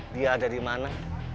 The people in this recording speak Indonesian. dia ada dimana